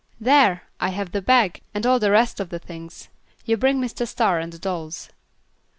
There! I have the bag and all the rest of the things. You bring Mr. Star and the dolls."